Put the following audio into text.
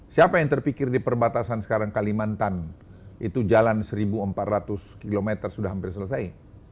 siapa yang terpikir di perbatasan sekarang kalimantan itu jalan seribu empat ratus km sudah hampir selesai